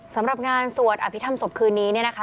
สำหรับงานสวดอภิษฐรรมศพคืนนี้เนี่ยนะคะ